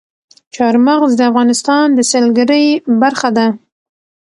چار مغز د افغانستان د سیلګرۍ برخه ده.